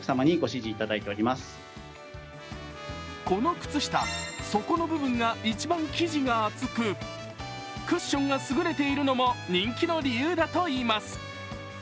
この靴下、底の部分が一番生地が厚くクッションが優れているのも人気の理由だといいます。